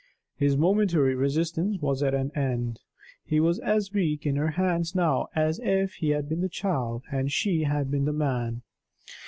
His momentary resistance was at an end. He was as weak in her hands now as if he had been the child and she had been the man.